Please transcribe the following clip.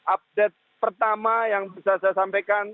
update pertama yang bisa saya sampaikan